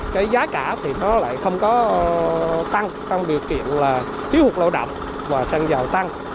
cái giá cả thì nó lại không có tăng trong điều kiện là thiếu hụt lao động và xăng dầu tăng